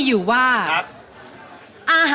คืออะไรคะ